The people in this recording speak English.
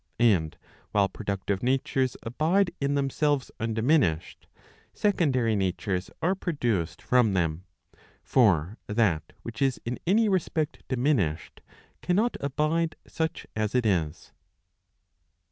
And while productive natures abide in themselves undiminished, secondary natures are produced from them. For that which is in any respect diminished, cannot abide such as it is.